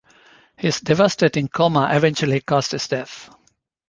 His devastating coma eventually caused his death.